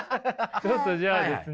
ちょっとじゃあですね